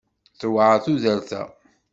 Tewɛer tudert-a.